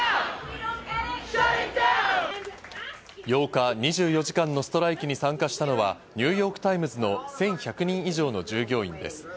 ８日、２４時間のストライキに参加したのはニューヨーク・タイムズの１１００人以上の従業員です。